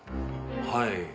はい。